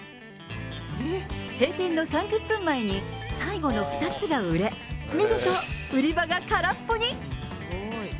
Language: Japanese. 閉店の３０分前に最後の２つが売れ、見事、売り場が空っぽに。